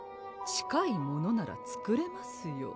「近いものならつくれますよ」